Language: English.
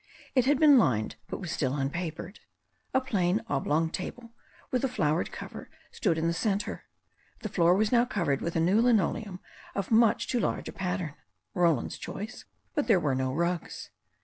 It had been lined, but was still unpapered. A plain, oblong table, with a flowered cover, stood in the centre. The floor was now covered with a new linoleum of much too large a pat tern — ^Roland's choice — ^but there were no rugs.